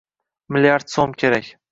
milliard so'm kerak!